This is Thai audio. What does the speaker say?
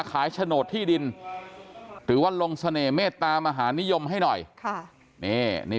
โฉนดที่ดินหรือว่าลงเสน่หมตามหานิยมให้หน่อยค่ะนี่